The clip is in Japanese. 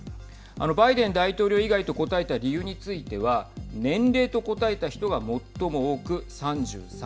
バイデン大統領以外と答えた理由については年齢と答えた人が最も多く３３％。